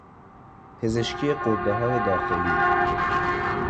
پزشکی غده های داخلی